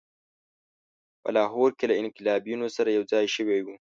په لاهور کې له انقلابیونو سره یوځای شوی وو.